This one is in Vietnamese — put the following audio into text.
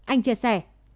anh chia sẻ